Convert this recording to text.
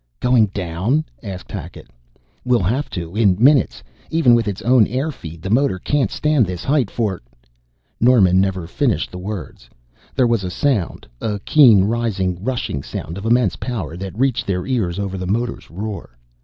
"Going down?" asked Hackett. "We'll have to, in minutes. Even with its own air feed the motor can't stand this height for "Norman never finished the words. There was a sound, a keen rising, rushing sound of immense power that reached their ears over the motor's roar.